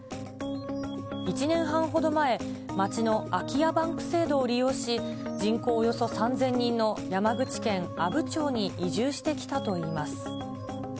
１年半ほど前、町の空き家バンク制度を利用し、人口およそ３０００人の山口県阿武町に移住してきたといいます。